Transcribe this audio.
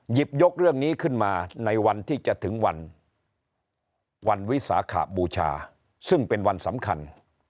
ยกเรื่องนี้ขึ้นมาในวันที่จะถึงวันวันวิสาขบูชาซึ่งเป็นวันสำคัญ